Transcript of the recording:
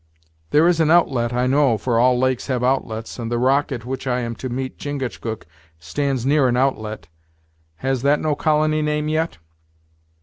"There is an outlet, I know, for all lakes have outlets, and the rock at which I am to meet Chingachgook stands near an outlet. Has that no colony name yet?"